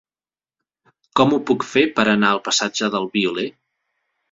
Com ho puc fer per anar al passatge del Violer?